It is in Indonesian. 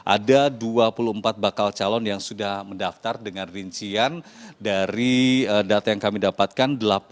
ada dua puluh empat bakal calon yang sudah mendaftar dengan rincian dari data yang kami dapatkan